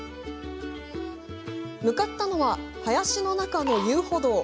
向かったのは林の中の遊歩道。